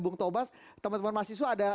bung tobas teman teman mahasiswa ada